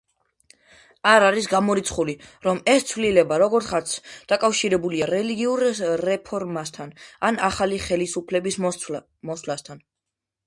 არ არის გამორიცხული, რომ ეს ცვლილება როგორღაც დაკავშირებულია რელიგიურ რეფორმასთან ან ახალი ხელისუფლების მოსვლასთან.